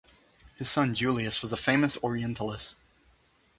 His son Julius was a famous orientalist.